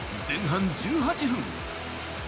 前半１８分。